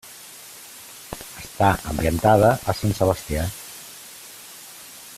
Està ambientada a Sant Sebastià.